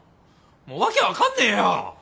もう訳分かんねえよ！